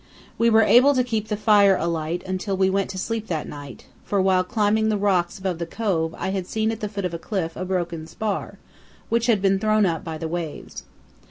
We were able to keep the fire alight until we went to sleep that night, for while climbing the rocks above the cove I had seen at the foot of a cliff a broken spar, which had been thrown up by the waves.